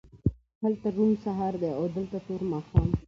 هلته روڼ سهار دی او دلته تور ماښام